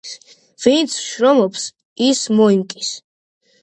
ვინც შრომობს, ის მოიმკის.